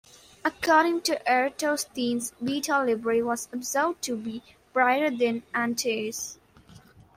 According to Eratosthenes Beta Librae was observed to be brighter than Antares.